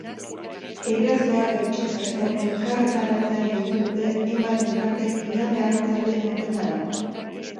Erasoa gaitzesteko elkarretaratzea deitu dute hainbat elkartek igande arratsalde honetarako.